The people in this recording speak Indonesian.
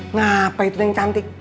ngapain tuh yang cantik